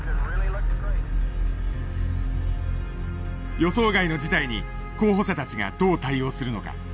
予想外の事態に候補者たちがどう対応するのか。